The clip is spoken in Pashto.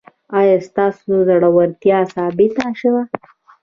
ایا ستاسو زړورتیا ثابته شوه؟